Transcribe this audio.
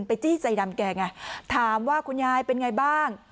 จี้ใจดำแกไงถามว่าคุณยายเป็นไงบ้าง